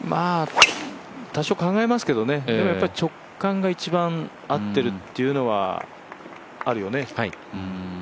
多少考えますけどね、でも、直感が一番合ってるっていうのはあるよね。